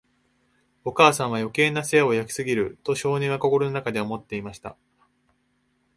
お母さんは、余計な世話を焼きすぎる、と少年は心の中で思っていました。